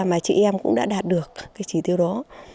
mà chị em cũng đã đạt được cái chỉ tiêu đó